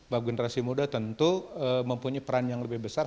bahwa generasi muda tentu mempunyai peran yang lebih besar